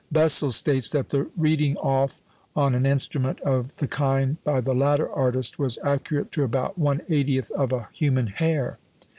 Bessel states that the "reading off" on an instrument of the kind by the latter artist was accurate to about 1/80th of a human hair.